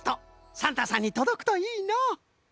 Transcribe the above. サンタさんにとどくといいのう。